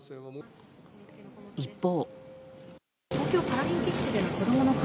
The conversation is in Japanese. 一方。